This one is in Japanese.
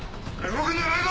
動くんじゃないぞ！